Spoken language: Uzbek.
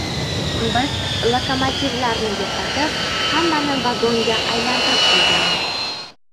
Biz lokomotivlarni yo‘qotib, hammani vagonga aylantirib qo‘yganmiz.